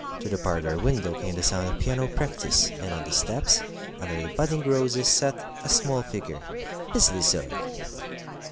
Through the parlor window came the sound of piano practice, and on the steps, under the budding roses, sat a small figure, busily sewing.